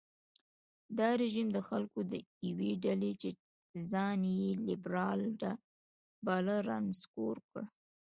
دا رژیم د خلکو یوې ډلې چې ځان یې لېبرال باله رانسکور کړ.